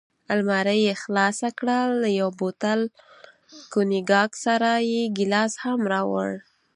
المارۍ یې خلاصه کړل، له یو بوتل کونیګاک سره یې ګیلاس هم راوړ.